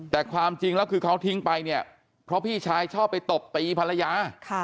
แต่ความจริงแล้วคือเขาทิ้งไปเนี่ยเพราะพี่ชายชอบไปตบตีภรรยา